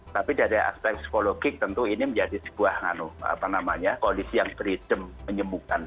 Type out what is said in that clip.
tapi dari aspek psikologik tentu ini menjadi sebuah ngano apa namanya kondisi yang beritem menyembuhkan